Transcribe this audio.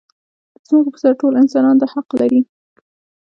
د ځمکې پر سر ټول انسانان دا حق لري.